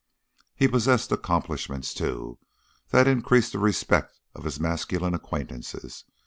He possessed accomplishments, too, that increased the respect of his masculine acquaintances.